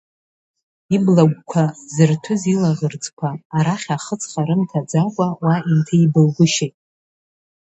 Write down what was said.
Иблагәқәа зырҭәыз илаӷырӡқәа, арахь ахыҵха рымҭаӡакәа уа инҭеибылгәышьеит.